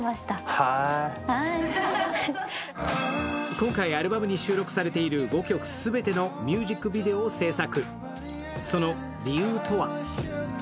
今回アルバムに収録されている５曲全てのミュージックビデオを制作。